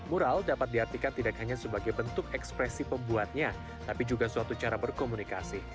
mural dapat diartikan tidak hanya sebagai bentuk ekspresi pembuatnya tapi juga suatu cara berkomunikasi